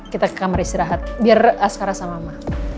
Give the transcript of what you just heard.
kita ke kamar istirahat biar raskara sama mama